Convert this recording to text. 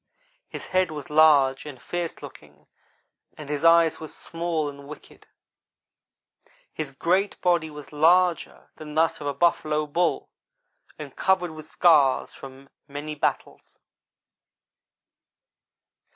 His head was large and fierce looking, and his eyes were small and wicked. His great body was larger than that of a buffalo bull and covered with scars of many battles.